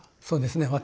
そうですね